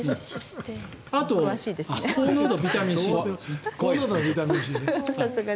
あと高濃度ビタミンＣ。